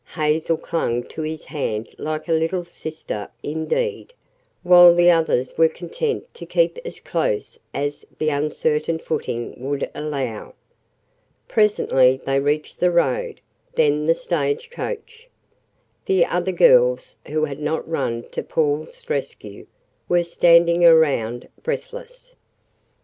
Hazel clung to his hand like a little sister indeed, while the others were content to keep as close as the uncertain footing would allow. Presently they reached the road, then the stage coach. The other girls, who had not run to Paul's rescue, were standing around breathless.